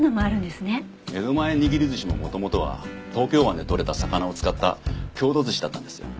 江戸前握り寿司も元々は東京湾で取れた魚を使った郷土寿司だったんですよ。